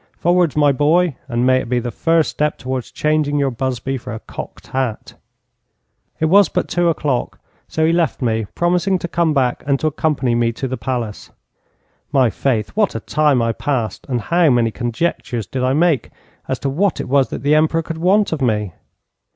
Forwards, my boy, and may it be the first step towards changing your busby for a cocked hat.' It was but two o'clock, so he left me, promising to come back and to accompany me to the palace. My faith, what a time I passed, and how many conjectures did I make as to what it was that the Emperor could want of me!